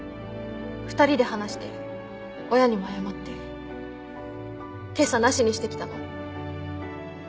２人で話して親にも謝って今朝なしにしてきたの。